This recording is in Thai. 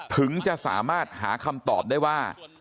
ถึงจะสามารถหาคำตอบได้ว่า